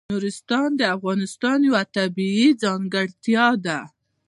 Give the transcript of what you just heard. نورستان د افغانستان یوه طبیعي ځانګړتیا ده.